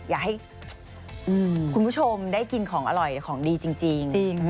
อยากให้คุณผู้ชมได้กินของอร่อยของดีจริง